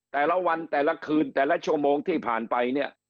แต่ละวันแต่ละคืนแต่ละชั่วโมงที่ผ่านไปเนี่ย